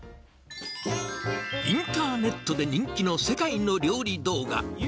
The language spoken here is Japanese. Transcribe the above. インターネットで人気の世界の料理動画。